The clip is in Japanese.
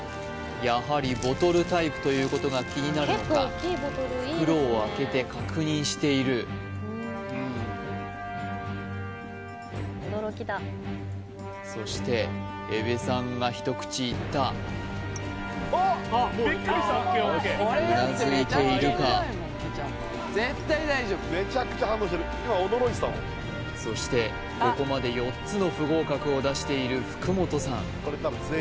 やはりボトルタイプということが気になるのか袋を開けて確認しているそして江部さんが一口いったうなずいているかそしてここまで４つの不合格を出している福本さん